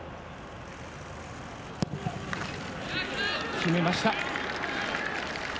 決めました。